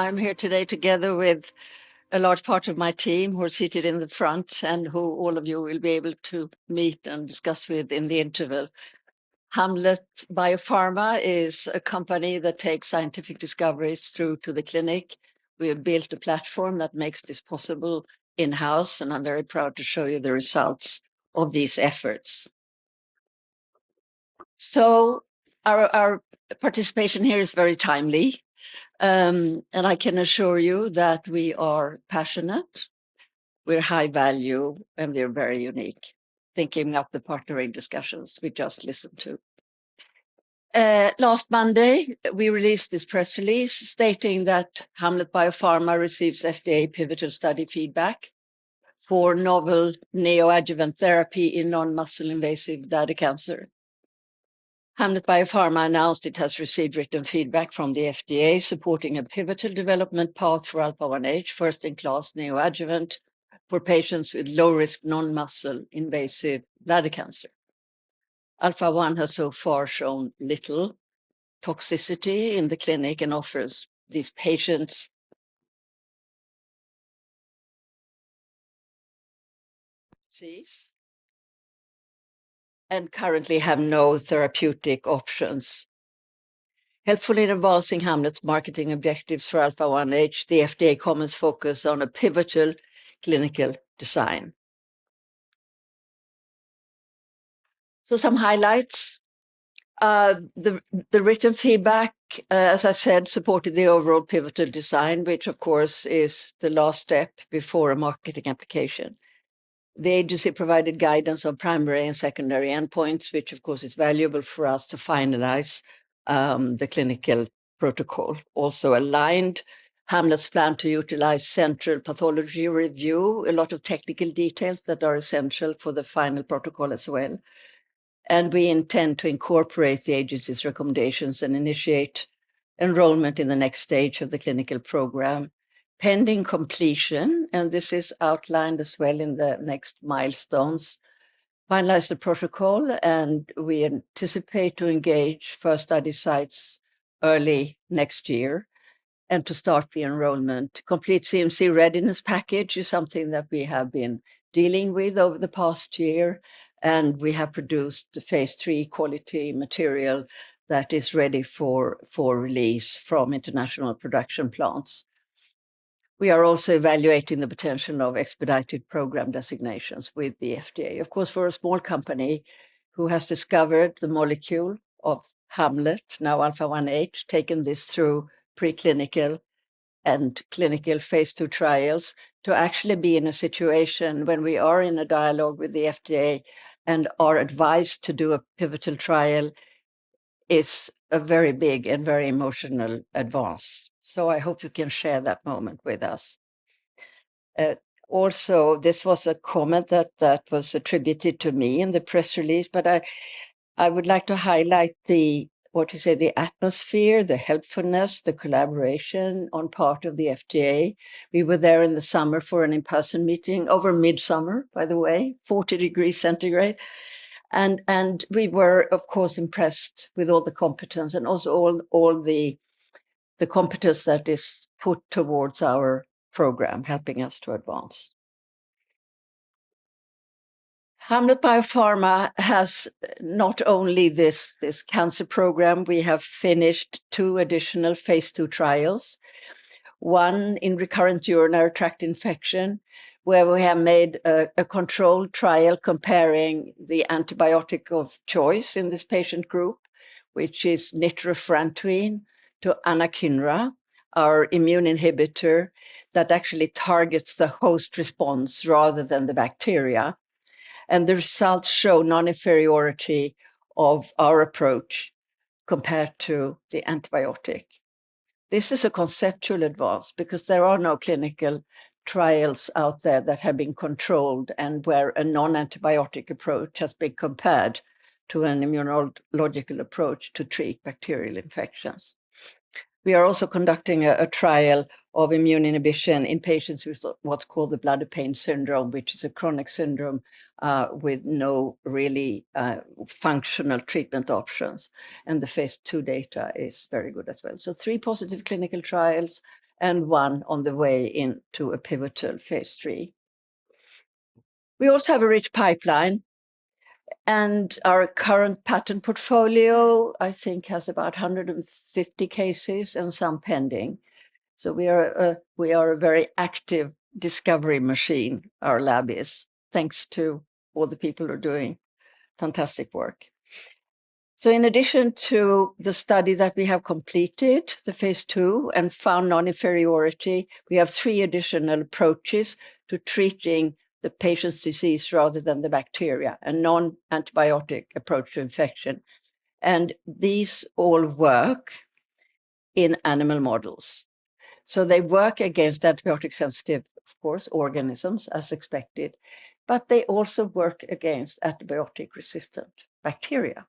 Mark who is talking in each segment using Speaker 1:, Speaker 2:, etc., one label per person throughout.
Speaker 1: I'm here today together with a large part of my team who are seated in the front and who all of you will be able to meet and discuss with in the interval. Hamlet BioPharma is a company that takes scientific discoveries through to the clinic. We have built a platform that makes this possible in-house, and I'm very proud to show you the results of these efforts. Our participation here is very timely, and I can assure you that we are passionate, we're high value, and we are very unique, thinking of the partnering discussions we just listened to. Last Monday, we released this press release stating that Hamlet BioPharma receives FDA pivotal study feedback for novel neoadjuvant therapy in non-muscle invasive bladder cancer. Hamlet BioPharma announced it has received written feedback from the FDA supporting a pivotal development path for Alpha1H, first-in-class neoadjuvant for patients with low-risk non-muscle invasive bladder cancer. Alpha1 has so far shown little toxicity in the clinic and offers these patients disease and currently have no therapeutic options. Helpfully advancing Hamlet's marketing objectives for Alpha1H, the FDA comments focus on a pivotal clinical design. Some highlights. The written feedback, as I said, supported the overall pivotal design, which of course is the last step before a marketing application. The agency provided guidance on primary and secondary endpoints, which of course is valuable for us to finalize the clinical protocol. Also aligned Hamlet's plan to utilize central pathology review, a lot of technical details that are essential for the final protocol as well. We intend to incorporate the agency's recommendations and initiate enrollment in the next stage of the clinical program. Pending completion, and this is outlined as well in the next milestones, finalize the protocol, and we anticipate to engage first study sites early next year and to start the enrollment. Complete CMC readiness package is something that we have been dealing with over the past year, and we have produced the phase III quality material that is ready for release from international production plants. We are also evaluating the potential of expedited program designations with the FDA. Of course, for a small company who has discovered the molecule of Hamlet, now Alpha1H, taken this through preclinical and clinical phase II trials to actually be in a situation when we are in a dialogue with the FDA and are advised to do a pivotal trial is a very big and very emotional advance. I hope you can share that moment with us. Also, this was a comment that was attributed to me in the press release, but I would like to highlight the, what you say, the atmosphere, the helpfulness, the collaboration on part of the FDA. We were there in the summer for an in-person meeting over midsummer, by the way, 40 degrees Centigrade. We were, of course, impressed with all the competence and also all the competence that is put towards our program, helping us to advance. Hamlet BioPharma has not only this cancer program, we have finished two additional phase II trials, one in recurrent urinary tract infection, where we have made a controlled trial comparing the antibiotic of choice in this patient group, which is nitrofurantoin to anakinra, our immune inhibitor that actually targets the host response rather than the bacteria. The results show non-inferiority of our approach compared to the antibiotic. This is a conceptual advance because there are no clinical trials out there that have been controlled and where a non-antibiotic approach has been compared to an immunological approach to treat bacterial infections. We are also conducting a trial of immune inhibition in patients with what's called the bladder pain syndrome, which is a chronic syndrome with no really functional treatment options. The phase II data is very good as well. Three positive clinical trials and one on the way into a pivotal phase III. We also have a rich pipeline and our current patent portfolio, I think, has about 150 cases and some pending. We are a very active discovery machine, our lab is, thanks to all the people who are doing fantastic work. In addition to the study that we have completed, the phase II and found non-inferiority, we have three additional approaches to treating the patient's disease rather than the bacteria, a non-antibiotic approach to infection. These all work in animal models. They work against antibiotic sensitive, of course, organisms as expected, but they also work against antibiotic resistant bacteria.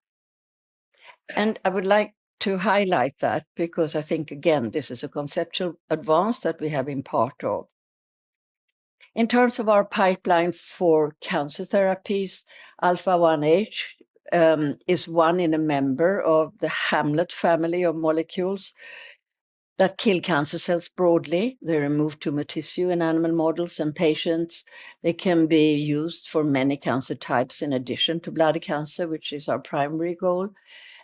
Speaker 1: I would like to highlight that because I think, again, this is a conceptual advance that we have been part of. In terms of our pipeline for cancer therapies, Alpha1H is one in a member of the Hamlet family of molecules that kill cancer cells broadly. They remove tumor tissue in animal models and patients. They can be used for many cancer types in addition to bladder cancer, which is our primary goal.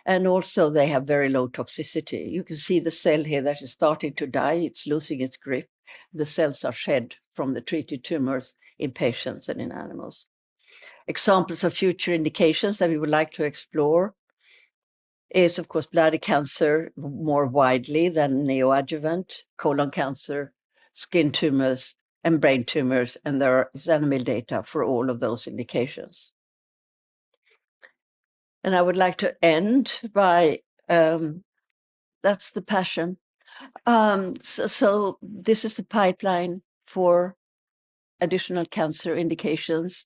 Speaker 1: They also have very low toxicity. You can see the cell here that is starting to die. It's losing its grip. The cells are shed from the treated tumors in patients and in animals. Examples of future indications that we would like to explore is, of course, bladder cancer more widely than neoadjuvant, colon cancer, skin tumors, and brain tumors. There is animal data for all of those indications. I would like to end by, that's the passion. This is the pipeline for additional cancer indications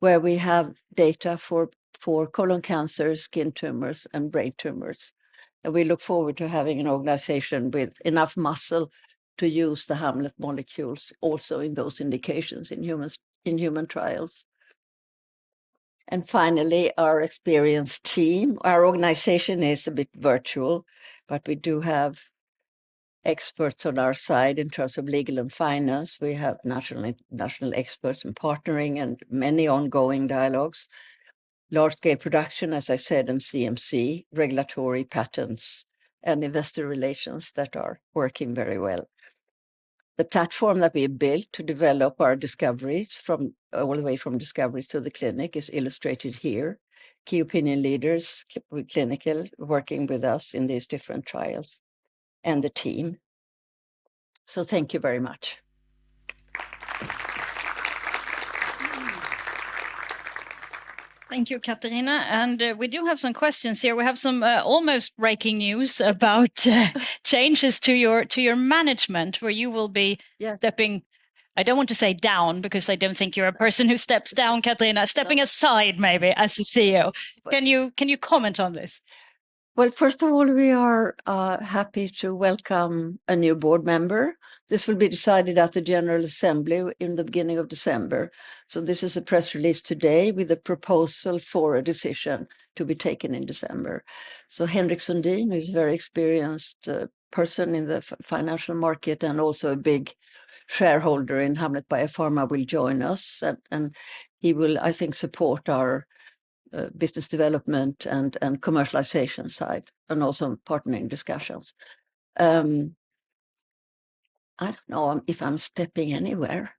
Speaker 1: where we have data for colon cancers, skin tumors, and brain tumors. We look forward to having an organization with enough muscle to use the Hamlet molecules also in those indications in human trials. Finally, our experienced team, our organization is a bit virtual, but we do have experts on our side in terms of legal and finance. We have national experts in partnering and many ongoing dialogues, large-scale production, as I said, and CMC regulatory patterns and investor relations that are working very well. The platform that we have built to develop our discoveries all the way from discoveries to the clinic is illustrated here. Key opinion leaders with clinical working with us in these different trials and the team. Thank you very much. Thank you, Catharina. We do have some questions here. We have some almost breaking news about changes to your management where you will be stepping, I do not want to say down because I do not think you are a person who steps down, Catharina, stepping aside maybe as the CEO. Can you comment on this? First of all, we are happy to welcome a new board member. This will be decided at the General Assembly in the beginning of December. This is a press release today with a proposal for a decision to be taken in December. Henrik Sundin, who is a very experienced person in the financial market and also a big shareholder in Hamlet BioPharma, will join us. He will, I think, support our business development and commercialization side and also partnering discussions. I don't know if I'm stepping anywhere.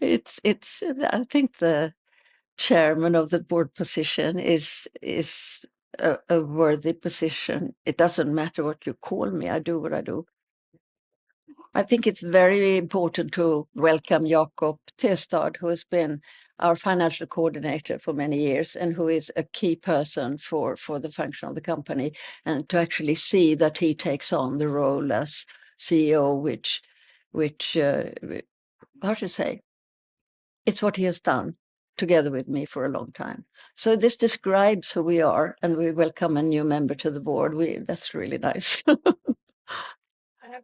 Speaker 1: I think the chairman of the board position is a worthy position. It doesn't matter what you call me. I do what I do. I think it's very important to welcome Jakob Testad, who has been our financial coordinator for many years and who is a key person for the function of the company. To actually see that he takes on the role as CEO, which, how to say, it's what he has done together with me for a long time. This describes who we are and we welcome a new member to the board. That's really nice.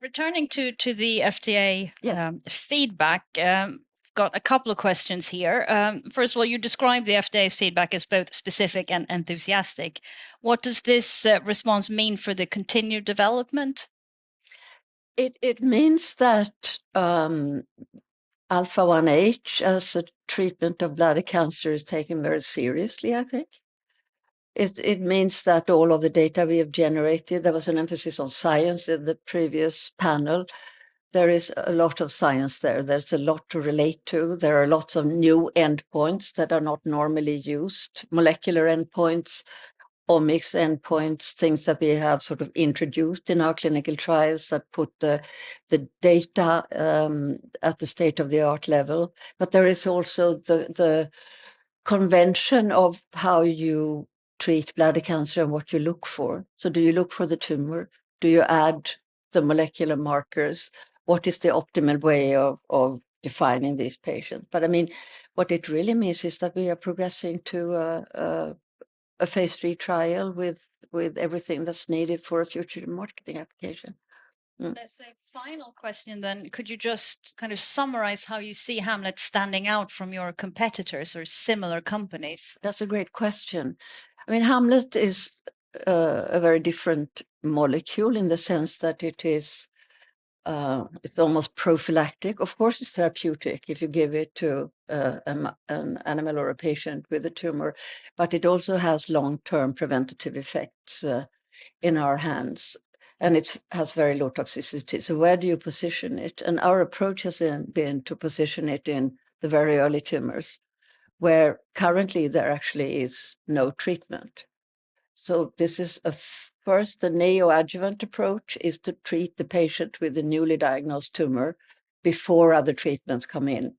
Speaker 1: Returning to the FDA feedback, I've got a couple of questions here. First of all, you described the FDA's feedback as both specific and enthusiastic. What does this response mean for the continued development? It means that Alpha1H as a treatment of bladder cancer is taken very seriously, I think. It means that all of the data we have generated, there was an emphasis on science in the previous panel. There is a lot of science there. There's a lot to relate to. There are lots of new endpoints that are not normally used, molecular endpoints, omics endpoints, things that we have sort of introduced in our clinical trials that put the data at the state-of-the-art level. There is also the convention of how you treat bladder cancer and what you look for. Do you look for the tumor? Do you add the molecular markers? What is the optimal way of defining these patients? I mean, what it really means is that we are progressing to a phase III trial with everything that's needed for a future marketing application. As a final question then, could you just kind of summarize how you see Hamlet standing out from your competitors or similar companies? That's a great question. I mean, Hamlet is a very different molecule in the sense that it's almost prophylactic. Of course, it's therapeutic if you give it to an animal or a patient with a tumor, but it also has long-term preventative effects in our hands and it has very low toxicity. Where do you position it? Our approach has been to position it in the very early tumors where currently there actually is no treatment. This is first. The neoadjuvant approach is to treat the patient with a newly diagnosed tumor before other treatments come in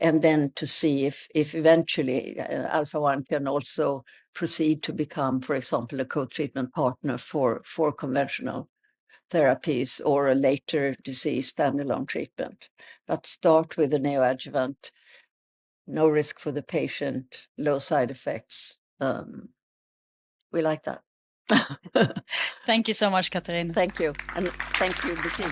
Speaker 1: and then to see if eventually Alpha1 can also proceed to become, for example, a co-treatment partner for conventional therapies or a later disease standalone treatment. Start with a neoadjuvant, no risk for the patient, low side effects. We like that. Thank you so much, Catharina. Thank you. Thank you.